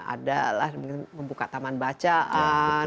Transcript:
ada lah membuka taman bacaan